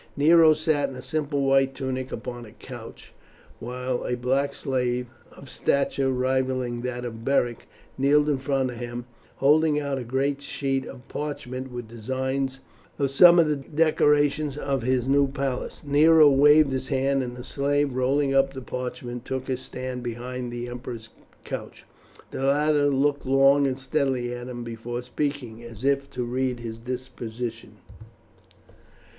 Nero sat in a simple white tunic upon a couch, while a black slave, of stature rivalling that of Beric, kneeled in front of him holding out a great sheet of parchment with designs of some of the decorations of his new palace. Nero waved his hand, and the slave, rolling up the parchment, took his stand behind the emperor's couch. The latter looked long and steadily at him before speaking, as if to read his disposition.